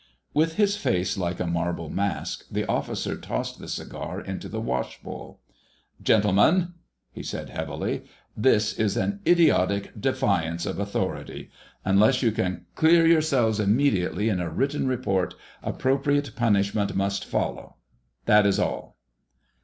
With his face like a marble mask, the officer tossed the cigar into the washbowl. "Gentlemen," he said heavily. "This is an idiotic defiance of authority. Unless you can clear yourselves immediately in a written report, appropriate punishment must follow. That is all."